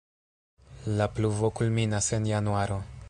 La pluvo kulminas en januaro.